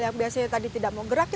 yang biasanya tadi tidak mau gerak